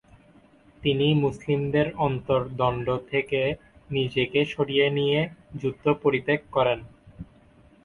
তিনি মুসলিমদের অন্তদ্বর্ন্দ থেকে নিজেকে সরিয়ে নিয়ে যুদ্ধ পরিত্যাগ করেন।